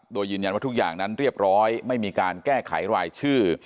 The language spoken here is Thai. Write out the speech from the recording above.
โดยยืนยันว่าทุกอย่างนั้นเรียบร้อยไม่มีการแก้ไขรายชื่อ